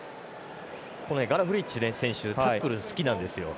ガラフリッチ選手はタックルが好きなんですよ。